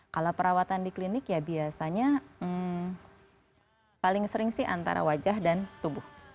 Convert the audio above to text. kalau perawatan di klinik ya biasanya paling sering sih antara wajah dan tubuh